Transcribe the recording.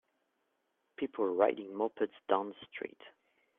People riding mopeds down the street